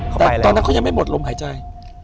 แต่ตอนนั้นเขายังไม่หมดลมหายใจ